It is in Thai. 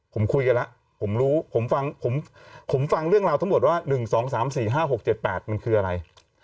ผมคุยกันแล้วผมรู้ผมฟังผมฟังเรื่องราวทั้งหมดว่า๑๒๓๔๕๖๗๘มันคืออะไร